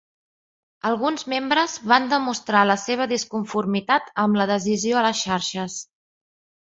Alguns membres van demostrar la seva disconformitat amb la decisió a les xarxes.